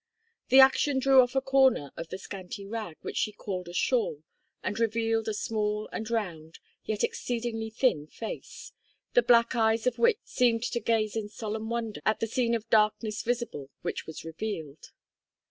The action drew off a corner of the scanty rag which she called a shawl, and revealed a small and round, yet exceedingly thin face, the black eyes of which seemed to gaze in solemn wonder at the scene of darkness visible which was revealed.